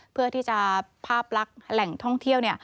เพื่อที่จะภาพลักษณ์แหล่งท่องเที่ยว